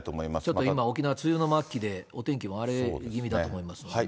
ちょっと今、沖縄、梅雨の末期で、お天気も荒れ気味だと思いますのでね。